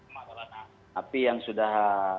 napi yang sudah